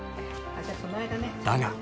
［だが］